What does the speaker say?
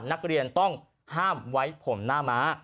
นักเรียนต้องห้ามไว้ผมหน้าม้า